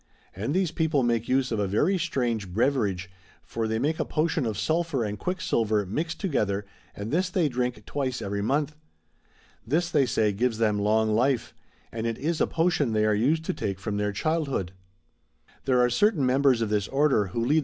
And these people make use of a very strange beverage ; for they make a potion of sulphur and quicksilver mixt to gether and this they drink twice every month. This, they say, gives them long life; and it is a potion they are used to take from their ciiildhood.' There are certain members ol this Order wlio lead the Chap.